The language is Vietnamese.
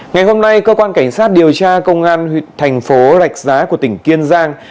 ngày hôm nay cơ quan cảnh sát điều tra công an huyện thành phố rạch giá của tỉnh kiên giang